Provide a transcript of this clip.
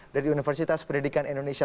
dari universitas pendidikan indonesia